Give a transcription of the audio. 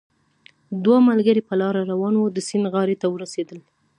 دوه ملګري په لاره روان وو، د سیند غاړې ته ورسېدل